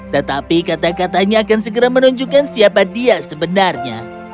tetapi kata katanya akan segera menunjukkan siapa dia sebenarnya